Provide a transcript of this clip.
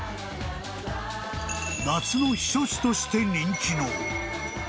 ［夏の避暑地として人気の］